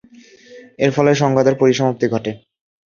এরফলে এ সংঘাতের পরিসমাপ্তি ঘটে।